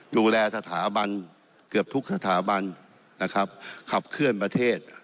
ดูแลสถาบันเกือบทุกสถาบันนะครับขับเคลื่อนประเทศ